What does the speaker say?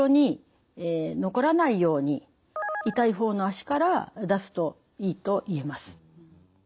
痛い方の脚から出すといいといえます。